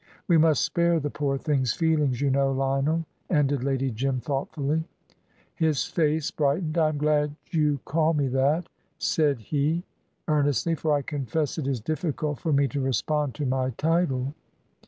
We must spare the poor thing's feelings, you know, Lionel," ended Lady Jim, thoughtfully. His face brightened. "I am glad you call me that," said he, earnestly, "for I confess it is difficult for me to respond to my title."